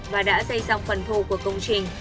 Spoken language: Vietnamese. và đã xây xong phần thô của công trình